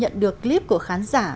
từ ba tháng